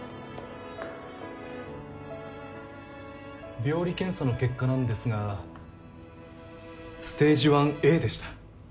病理検査の結果なんですがステージⅠＡでした。